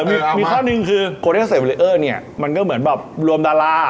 เออมีข้อหนึ่งคือโครเทศเซฟเรอร์เนี่ยมันก็เหมือนแบบรวมดารา